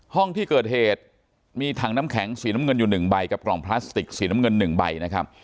ห้องที่เกิดเหตุมีถังน้ำแข็งสีน้ำเงินอยู่๑ใบกับกล่องพลาสติกสีน้ำเงิน๑ใบนะครับ